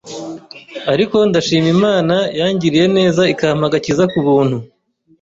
ariko ndashima Imana yangiriye neza ikampa gakiza ku buntu